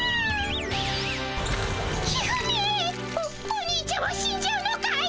おおにいちゃんは死んじゃうのかい？